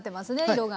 色が。